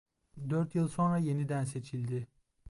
Dört yıl sonra yeniden seçildi.